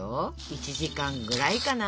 １時間ぐらいかな。